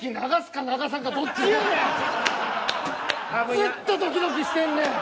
ずっとドキドキしてんねん！